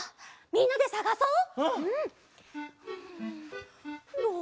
みんなでさがそっ！